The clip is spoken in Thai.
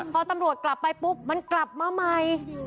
พอตำรวจกลับไปปุ๊บมันกลับมาใหม่